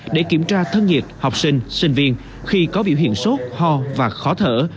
để kiểm tra thân nhiệt học sinh sinh viên khi có biểu hiện sốt ho và khó thở